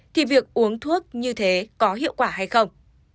thì việc uống thuốc như thế có hiệu quả hay không